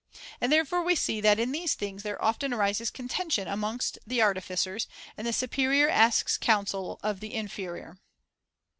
And therefore we see that in these things there often arises contention amongst the artificers, and the superior asks counsel of the inferior.